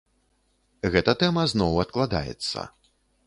Гэта тэма зноў адкладаецца.